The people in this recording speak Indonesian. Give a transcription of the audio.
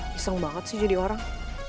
pisang banget sih jadi orang